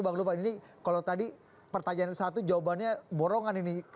bang lukman ini kalau tadi pertanyaan satu jawabannya borongan ini